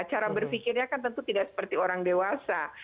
cara berpikirnya kan tentu tidak seperti orang dewasa